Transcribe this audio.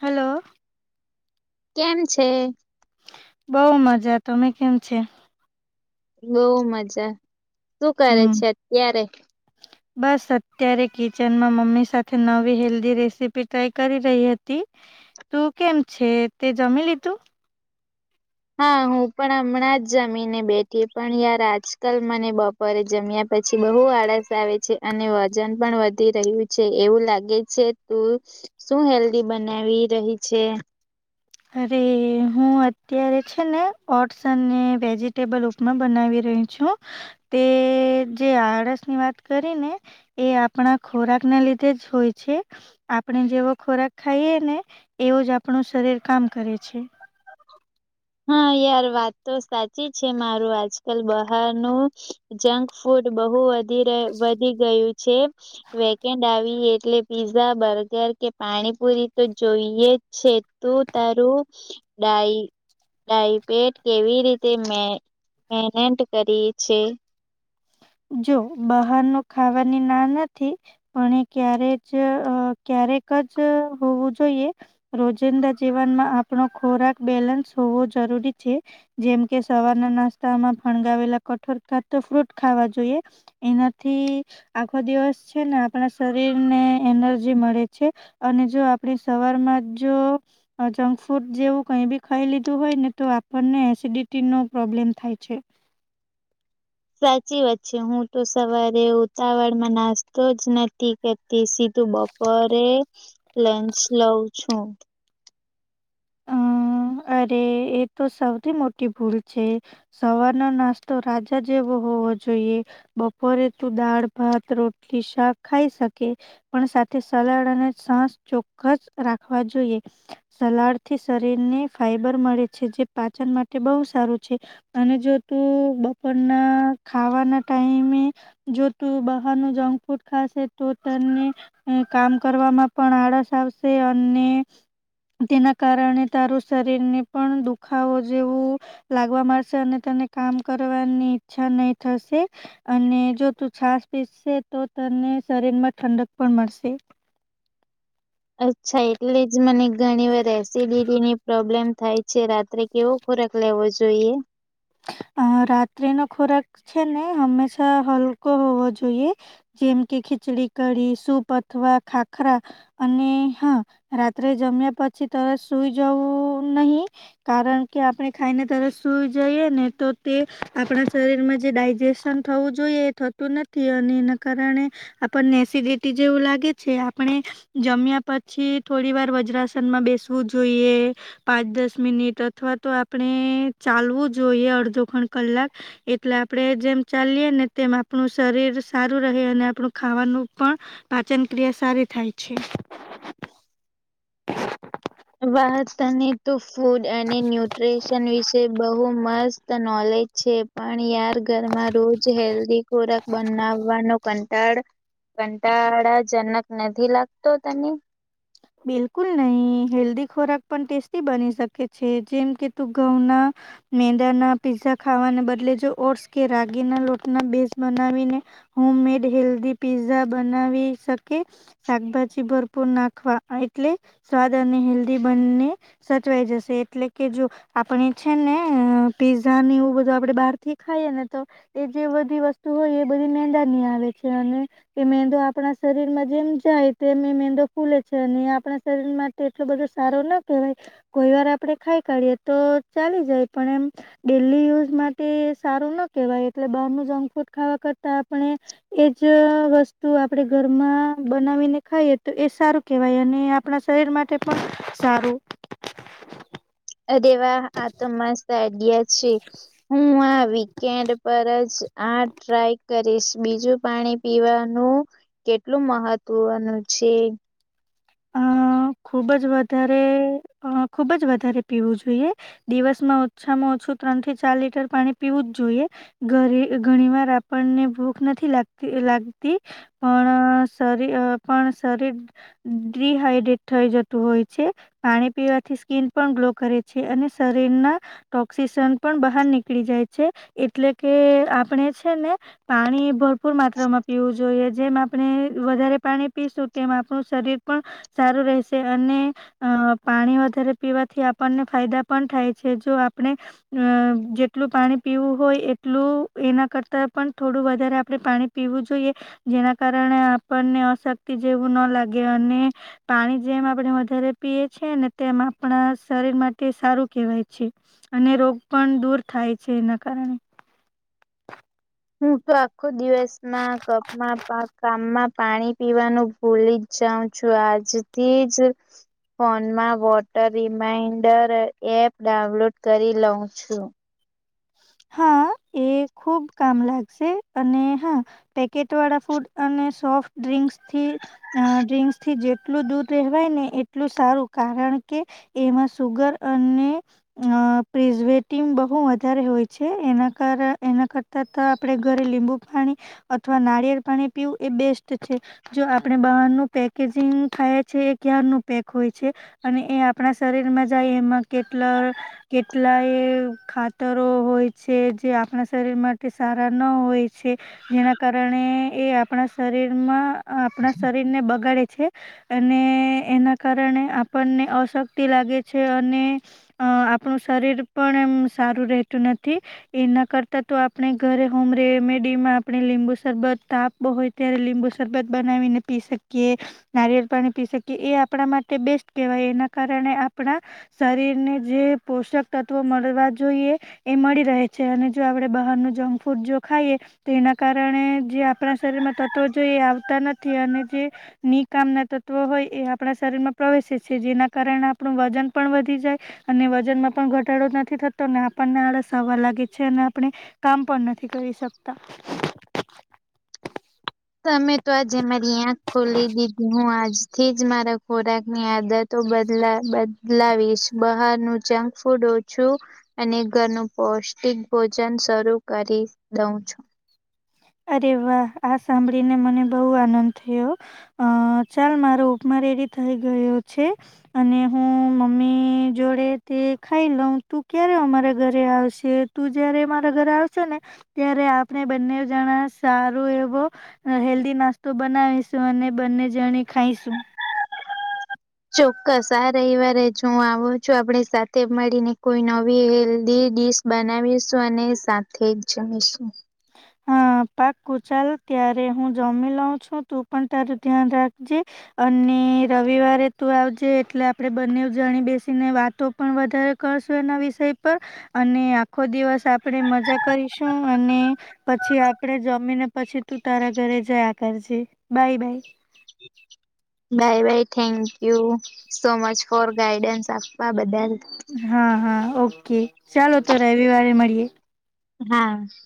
Hello કેમ છે બઉ મજા તમે કેમ છે બહ મજા શું કરે હમ છે અત્યારે બસ અત્યારે કિચનમાં મમ્મી સાથે નવી હેલ્ધી રેસીપી ટ્રાય કરી રહી હતી તું કેમ છે તે જમી લીધું હા હું પણ હમણાં જ જમી ને બેઠી પણ યાર આજકાલ મને બપોરે જમ્યા પછી બહુ આળસ આવે છે અને વજન પણ વધી રહ્યું છે એવું લાગે છે તું શું હેલ્ધી બનાવી રહી છે અરે હું અત્યારે છે ને ઓટ્સ અને વેજીિટેબલ ઉપમા બનાવી ર તે જે આળસ ની વાત કરીને એ આપણા ખોરાક ના લીધે જ હોય છે આપણે જેવો ખોરાક ખાઈએ ને એવું જ આપણું શરીર કામ કરે છે હા યાર વાત તો સાચી છે મારું આજકાલ બહારનું જંક ફૂડ બહુ વધી ગયું છે વેકેડ આવી એટલે પીઝા બર્ગર કે પાણીપુરી તો જોઈએ છે તું તારું ડાય ડાયપેટ કેવી રીતે મે મેનન્ટ કરી છે જો બહારનું ખાવાની ના નથી પણ ક્યારે જ જ હોું જોઈએ રોજિંદા જીવનમાં આપણો ખોરાક બેલેન્સ હોવો જરૂરી છે જેમકે સવારના નાસ્તામાં ફણગાવેલા કઠોર ખા ફ્રૂટ ખાવા જોએ જોએ એનાથી આખો દિવસ છે ને આપણા શરીર ને એનર્જી મળે છે અને જો આપણે સવાર માં જો જંક ફૂડ જેવું કઈ બી ખાઈ લીધું હોય ને તો આપણને એસિડિટી નો પ્રોબ્લેમ થાય છે [inaudible] સાચી વાત છે હું તો સવારે ઉતાવળ માં નાસ્તો જ નથી કરતી સીધું બપરે લેન્સ લઉ છું અ [inaudible] અરે એ તો સૌથી મોટી ભૂલ છે સવારનો નાસ્તો રાજા જે જોઈએ બપોરે તો દાળ ભાત રોટલી શાક ખાઈ શકે પણ સાથે સલાડ અને છસ ચોક્કસ રાખવા જોઈએ સલાડ થી શરીર ને ફાઈબર મળે છે જે પાચન માટે બહુ સારું છે અને જો તું બપોરના ખાવાના ટાઈમે જો તું બહારનું જંક ફૂડ ખાશે તો તને કામ કરવામાં પણ આળસ આવશે અને તેના કારણે તારું શરીરને પણ દુખાવો જેવું લાગવા માંશે અને તેને કામ કર ની ઈચ્છા નહી થશે અને જો તું છાસ પીસશે તો તને શરીર ઠંડક પણ મળશે અચ્છા એટલે જ મને ઘણી વાર એસિડિટીની પ્રોબ્લેમ થાય છે રાત્રે કેવો ખ ખોરાક લેવો જોઈએ અ રાત્રિ નો ખોરાક છે ને હંમેશા હલકો હોવો જોઈએ જેમ કે ખીચડી કઢી સૂપ અથવા ખાખરા અને હા રાત્રે જમી ્યા પછી તર સુઈ જવું નહીિ કારણ કે આપણે ખાઈને તર સુઈ જઈએ ને તો તે આપણા શરીરમાં જે ડાયજેશન થવું જોઈએ એ થતું નથી અને આપને એસિડટી જેવું લાગે છે આપણે જમ્યા પછી થોડી વાર વજ્રાસનમાં બેસવું જોઈએ પાંચ દસ મિનિટ અથવા તો આપણે ચાલવું જ જોઈએ અડધો ખણ કલાક એટલે આપડે જેમ ચાલીય ને તેમ આપણું શરીર સારું અને આપણું ખાવાનું પણ પાચન ક્રિયા સારી થાય છે [inaudible] વા તને તો ફૂડ અને ન્યુટ્રી્રીશન વિશે બહુ મસ્ત નોલેજ છે પણ યાર ઘરમાં રોજ હેલ્ધ ખોરાક બનાવવાનો ક કંટા કંટાળાજનક નથી લાગતો તને બિલકુલ નહી હેલ્ધી ખોરાક પણ ટેસ્ટી બની શકે છે જેમ કે તું ઘઉંના મેંદા ના પીઝા ખાવાને બદલે જો ઓટ્સ કે રાગીના લોટના બેઝ બનાવીને હોમ મેડ હેલ્ધી પિઝા બનાવી શકે શાકભાજી ભરપૂર નાખવા એટલે સ્વાદ અને હેલ્ધી બંને સચવાઈ જશે એટલે કે જો આપણે છે ને ને પીઝા ની એવું બધું આપડે બહાર થી ખાઈએ ને તો એ જે બધી વસ્તુ હોય એ બધી ંદની આવે છે અને એ મેંદો આપણા શરીર માં જેમ જાય તેમ એ મેંદો ખુલે છે અને આપણા શરીર માટે એટલો બધો સારો ના કવાય કોઈ વાર આપડે ખાઈ કાઢીયએ તો જ ડેય માટે સારું ન કવાય એટલે બાર ન જક ફૂડ ખાવા આપણે એજ વસ્તુ આપણેે ઘરમાં બનાવીને ખાઈએ તો એ સારું કેવાય અને આપણા શરીર માટે પણ સારું અરેેવા આ તોસ્ આઈડિયા છે હું આ વીકેન્ડ પર જ આ ટ્રાય કરીશ બીજું પાણી પીવાનું કેટલું મહત્વનું છે છે હ ખબ જ વધ ખુબ જ વધારે પીવું જોઈએ દિવસમાં ઓછામાં ત્રણ થી ચાર લીટર પાણી પીવું જ જોઈએ ઘણી વાર આપણને ભૂખ નથી લાગતી લાગ પણ શ પણ શરીર ડિહાઈડ્રેટ થઈ જતું હોય છે પાણી પીવાથી સ્કીિન પણ ગ્લો કરે છે અને શરીર શ ના ટોક્સિસન પણ બહાર નીકળી જાય છે એટલે કે આપણે છે ને પાણી ભરપૂર માત્રામાં પીવું જોઈએ જેમ આપણે વધારે પાણી પીશું તેમ આપણું શરીર પણ સારું રહેશે અને અ પાણી વધારે પીવાથી આપણને ફાયદા પણ થાય છે જો આપણે અ જેટલું પાણી પીવું હોય એટલું એના કરતા પણ થોડું વધ આપણે પાણી પીવું જોઈએ જેના કારણે આપણને અશક્તિ જેવું ના લાગે અને પાણી જેમ આપણે વધારે પીએ છેએ ને તેમ આપણા શરીર માટે સારું કે અને રોગ પણ દૂર થાય છે એના કારણે [inaudible] હું તો આખો દિવસમાં કપમાં કામમાં પાણી પીવાનું ભૂલી જ ગામ છું આજ થી જ. ફોનમાં વોટર રિમાઈન્ડર એપ ડાઉનલોડ કરી લઉં છું. હા. [inaudible] તે ખુબ કામ લાગશે અને હા પેકેટ વાળા ફૂડ અને સોફ્ટ ડ્રિંકસ થી ડ્રિંક્સ થી જેટલું દૂધ કહેવાય ને એટલું સારું કારણ કે એમાં સુુગર અને આજ વેઈટિગ બહુ વધારે હોય છે. છે એના કર એના કરતા આપણે ઘરે લીંબુ પાણી અથવા નારિયેળ પાણી પીવું એ બેસ્ટ છે, જો આપણે બહારનું પેકેજિંગ ખાય છે, એ ક્યાર નું પેક હોય છે. અને એ આપણા શરીરમાં જાય એમાં કેટલા કેટલા એ ખાતરો હોય. જે આપણા શરીર માટે સારા ના હોય છે. જેના કારણે એ આપણા શરીરનું. શરીરમાં આપણા શરીર ને બગાડે. અને એના કારણે આપણને અશક્તિ લાગે છે, અને આપણું શરીર પણ એમ સારું રહેતું નથી. એના કરતા તો આપણે ઘરે હોમ રેમેડી માં આપણે લીંબુ શરબત તાપ હોય. કયારે લીંબુ શરબત બનાવીને પી શકીએ નારિયેળ પાણી પી શકીએ એ આપણા માટે બેસ્ટ કહેવાય. એના કારણે આપણા શરીર ને જે પોષક તત્વો મળવા જોઈએ. એ મળી રહે છે, અને જો આપડે બહારનું જંક ફૂડ જો ખાઈએ તો એના કારણે જે આપણા શરીર તત્વો જોઈએ આવતા નથી, અને જે નિકામ ના તત્વો હોય એ આપણા શરીર માં પ્રવેેશ છે. જેના કારણે આપણું વજન પણ વધી જાય, અને વજનમાં પણ ઘટાડો નથી થતો આપ. પણ આળસ હવા લાગે છે, અને આપણે કામ પણ નથી કરી શકતા. [unintelligible] [inaudible] તમે તો આજે મારી આંખો ખોલી દીધી હું આજથી જ મારા ખોરાક ની આદતો બદલા બદલાવીશ બહાર નું જંક ફૂડ ઓછું અને ઘરનું પોષણ. એક ભોજન શરૂ કરી દઉં છું. અરે વાહ આ સાંભળીને મને બહુ આનંદ થયો ચાલ મારો ઉપર વેરી થઈ ગયું છે, અને હું મમ્મી જોડે તે ખાઈ લઉં તું, તું ક્યારે અમારા ઘરે આવશે તું જયારે મારા ઘરે આવશે ને ત્યારે આપણે બંને. જણા સારું એવો હેલ્ધી નાસ્તો બનાવીશું અને બંને જણે ખાઈશું. [unintelligible] [inaudible] ચોક્કસ આ રવિવારે જ હું આવું છું, આપણે સાથે મળીને કોઈ નવી હેલ્ધી. ડીશ બનાવીશું અને સાથે જ જમીશું. હા પાકું ચાલો ત્યારે હું જમી લઉ છું. તું પણ તારૂં ધ્યાન રાખજે અને રવિવારે તું આવજે એટલે આપડે બંને જાણી બેસીને વાતો પણ વધારે કરશો. એ વિષય પર અને આખો દિવસ આપણેે મજા કરીશું અને પછી આપડે જમી ને પછી તું તારા ઘરે જયા કરજે bye bye [unintelligible] [inaudible] bye bye thank you so much for guidance આપવા બધા હા હા ઓકે ચાલો તો રવિવારે મળીએે. હા [inaudible]